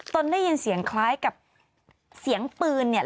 ตนได้ยินเสียงคล้ายกับเสียงปืนเนี่ย